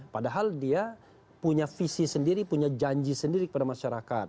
padahal dia punya visi sendiri punya janji sendiri kepada masyarakat